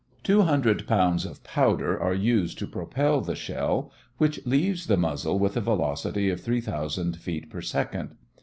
Two hundred pounds of powder are used to propel the shell, which leaves the muzzle with a velocity of 3,000 feet per second.